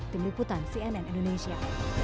tim liputan cnn indonesia